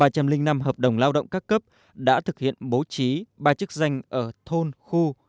ba trăm linh năm hợp đồng lao động các cấp đã thực hiện bố trí ba chức danh ở thôn khu